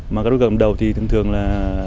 mà các đối tượng cầm đầu thì thường thường là